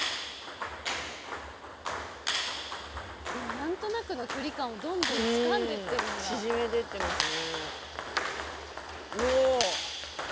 何となくの距離感どんどんつかんでってるんだ縮めてってますね